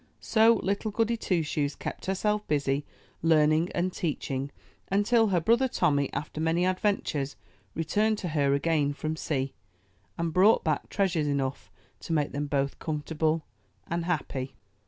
So Little Goody Two Shoes kept herself busy, learn ing and teaching, until her brother Tommy, after many adventures, returned to her again from sea, and brought back treasures enough to make them both comfortable and happy.